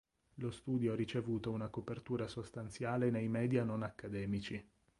Lo studio ha ricevuto una copertura sostanziale nei media non accademici.